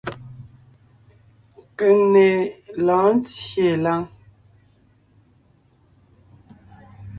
Keŋne lɔ̌ɔn ńtyê láŋ.